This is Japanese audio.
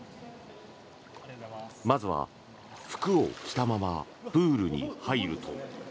まずは服を着たままプールに入ると。